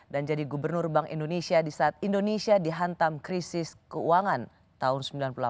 dan jadi gubernur bank indonesia di saat indonesia dihantam krisis keuangan tahun sembilan puluh delapan